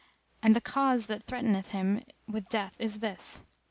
And the cause that threateneth him with death is this.